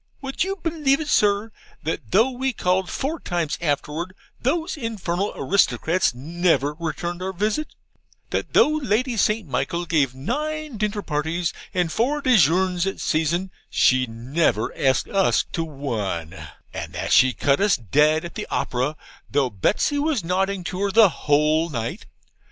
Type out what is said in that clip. Would you believe it, Sir, that though we called four times afterwards, those infernal aristocrats never returned our visit; that though Lady St. Michaels gave nine dinner parties and four DEJEUNERS that season, she never asked us to one; and that she cut us dead at the Opera, though Betsy was nodding to her the whole night?